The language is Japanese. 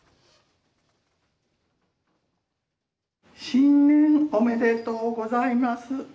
新年おめでとうございます。